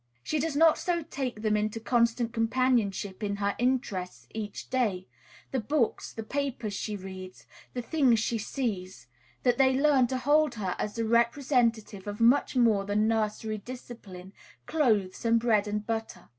She does not so take them into constant companionship in her interests, each day, the books, the papers she reads, the things she sees, that they learn to hold her as the representative of much more than nursery discipline, clothes, and bread and butter.